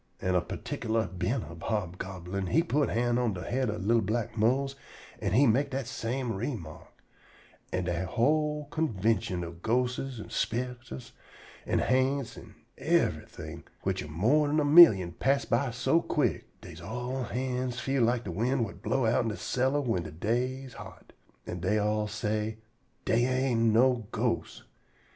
An' a perticklar bent up hobgoblin he put hand on de head ob li'l black Mose, an' he mek dat same _re_mark, and dat whole convintion ob ghostes an' spicters an' ha'nts an' yever thing, which am more 'n a millium, pass by so quick dey all's hands feel lak de wind whut blow outen de cellar whin de day am hot, an' dey all say, "Dey ain't no ghosts."